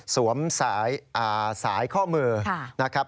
สายข้อมือนะครับ